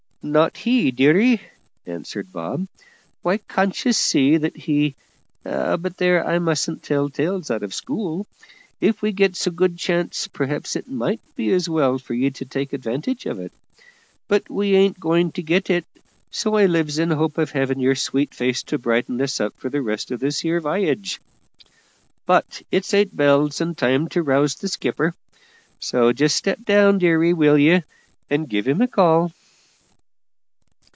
"Not he, dearie," answered Bob; "why, can't ye see that he But there, I mustn't tell tales out of school. If we gets a good chance, perhaps it might be as well for ye to take advantage of it; but we ain't going to get it, so I lives in hopes of having your sweet face to brighten us up for the rest of this here v'yage. But it's eight bells, and time to rouse the `skipper,' so just step down, dearie, will ye, and give him a call."